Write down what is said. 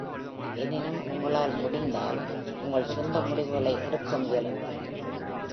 எனினும், உங்களால் முடிந்தால், உங்கள் சொந்த முடிவுகளை எடுக்க முயலுங்கள்